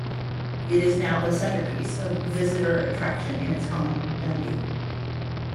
It is now the centrepiece of visitor attraction in its home, Dundee.